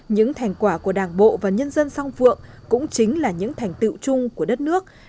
những thành quả của đảng bộ và nhân dân song phượng cũng chính là những thành tựu chung của đất nước